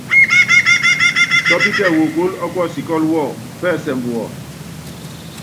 Tɔ́pítɛ wokóólo ɔ́kuɔsikɔ́lu wɔ, pɛ́sɛmbɛ wɔ.